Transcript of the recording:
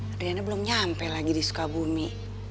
adriana belum nyampe lagi di sukabumi